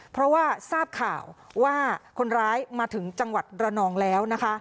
เพราะว่าทราบข่าวว่าคนร้ายมาถึงจังหวัดระนองแล้วนะคะ